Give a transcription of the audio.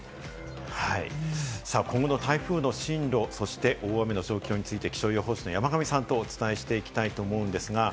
今後の台風の進路、そして大雨の状況について気象予報士の山神さんとお伝えしていきたいと思います。